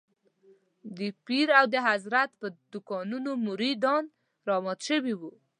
د پیر او حضرت پر دوکانونو مريدان رامات شوي وو.